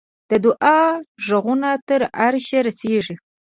د دعا ږغونه تر عرشه رسېږي.